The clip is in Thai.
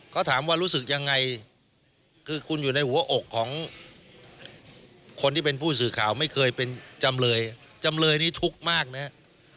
เขาถามว่ารู้สึกยังไงคือคุณอยู่ในหัวอกของคนที่เป็นผู้สื่อข่าวไม่เคยเป็นจำเลยจำเลยนี้ทุกข์มากนะครับ